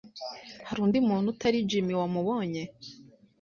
Hari undi muntu utari Jim wamubonye?